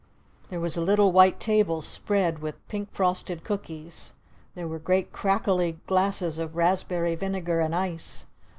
There was a little white table spread with pink frosted cookies! There were great crackly glasses of raspberry vinegar and ice!